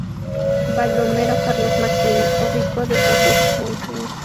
Baldomero Carlos Martini, obispo de San Justo, Mons.